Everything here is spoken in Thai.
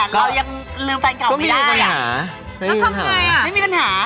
ก็บอกเค้าว่าอะไรอะ